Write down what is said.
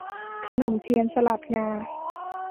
ขนมเทียนสลัดงา